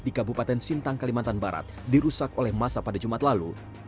di kabupaten sintang kalimantan barat dirusak oleh masa pada jumat lalu